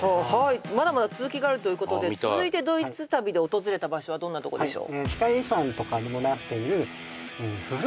まだまだ続きがあるということでああ見たい続いてドイツ旅で訪れた場所はどんなとこでしょう？